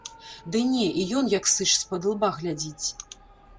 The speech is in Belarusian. Ды не, і ён як сыч з-пад ілба глядзіць.